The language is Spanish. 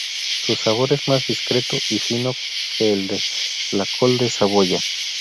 Su sabor es más discreto y fino que el de la col de Saboya.